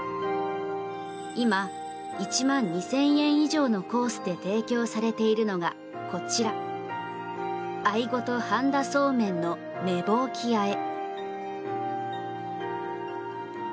今、１万２０００円以上のコースで提供されているのがこちら、アイゴと半田そうめんのメボウキ和え。